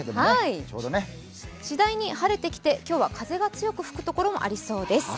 次第に晴れてきて、今日は風が強く吹く所もありそうです。